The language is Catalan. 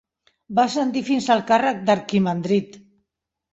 Va ascendir fins al càrrec d'Arquimandrit.